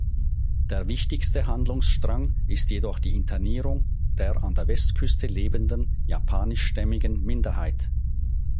Der wichtigste Handlungsstrang ist jedoch die Internierung der an der Westküste lebenden japanischstämmigen Minderheit.